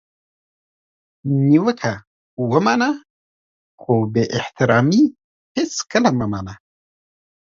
نیوکه ومنه خو بي احترامي هیڅکله مه منه!